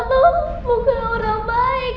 mungkin orang baik